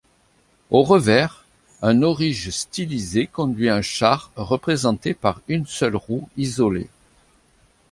Au revers, un aurige stylisé conduit un char représenté par une seule roue isolée.